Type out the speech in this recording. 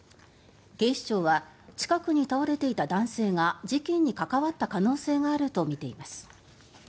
警視庁は近くに倒れていた男性が事件に関わった可能性があるとみています。